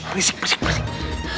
berisik berisik berisik